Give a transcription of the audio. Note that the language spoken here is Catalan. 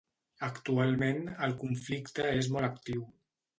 Actualment el conflicte és molt actiu.